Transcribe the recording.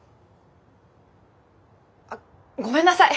あっごめんなさい！